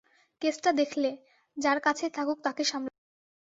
কেসটা দেখলে, যার কাছেই থাকুক তাকে সামলাবে।